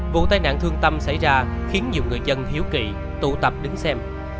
vụ tai nạn thương tâm xảy ra khiến nhiều người dân hiếu kỵ tụ tập đứng xem